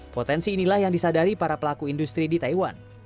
potensi inilah yang disadari para pelaku industri di taiwan